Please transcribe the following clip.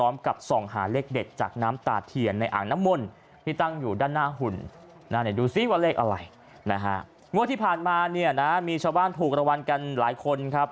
ว่าเลขอะไรนะฮะงวดที่ผ่านมาเนี่ยนะมีชาวบ้านถูกระวังกันหลายคนครับ